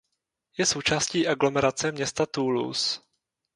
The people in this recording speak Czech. Je součástí aglomerace města Toulouse.